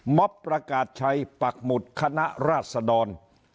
ม็อบประกาศชัยปักหมุดคณะราชดร๒๕๖๓